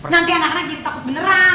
nanti anak anak jadi takut beneran